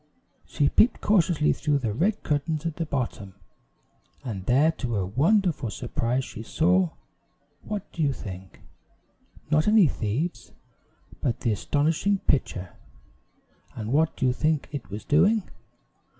She peeped cautiously through the red curtains at the bottom, and there, to her wondering surprise, she saw, what do you think? not any thieves, but the astonishing pitcher; and what do you think it was doing?